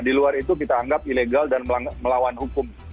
di luar itu kita anggap ilegal dan melawan hukum